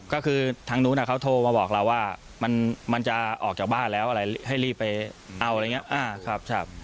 ก็คือทางนู้นเขาโทรมาบอกเราว่ามันจะออกจากบ้านแล้วอะไรให้รีบไปเอาอะไรอย่างนี้